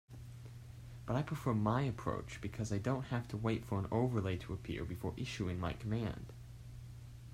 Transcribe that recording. But I prefer my approach because I don't have to wait for an overlay to appear before issuing my command.